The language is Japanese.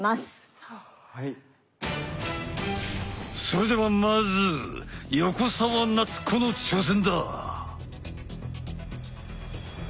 それではまず横澤夏子の挑戦だ！